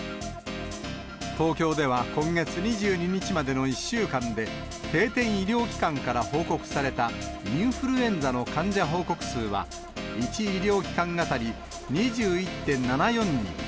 東京では今月２２日までの１週間で、定点医療機関から報告されたインフルエンザの患者報告数は、１医療機関当たり２１．７４人。